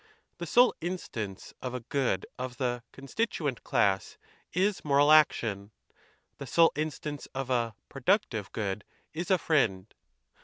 The sole instance of a good of the con I stituent ' class is moral action ; the sole instance of I «' productive ' good is a friend.